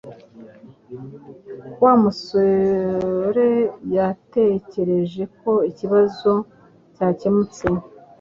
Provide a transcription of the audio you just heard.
wa musoreyatekereje ko ikibazo cyakemutse.